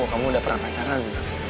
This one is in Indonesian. kamu udah pernah pacaran